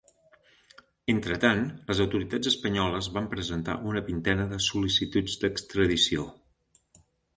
Entretant, les autoritats espanyoles van presentar una vintena de sol·licituds d'extradició.